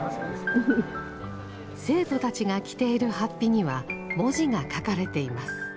生徒たちが着ている法被には文字が書かれています。